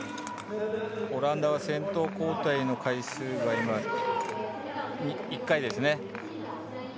オランダは先頭交代の回数が１回ですね。